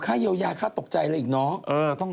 ค่าเยียวยาค่าตกใจอะไรอีกน้อง